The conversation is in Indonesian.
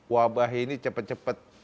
wabah ini cepet cepet